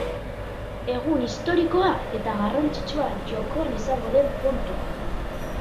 Egun historikoa eta garrantzitsua jokoan izango den puntua.